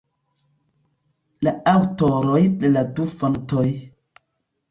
La aŭtoroj de la du fontoj.